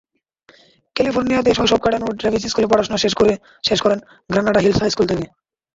ক্যালিফোর্নিয়াতে শৈশব কাটানো ট্রেভিস স্কুলের পড়াশোনা শেষ করেন গ্রানাডা হিলস হাইস্কুল থেকে।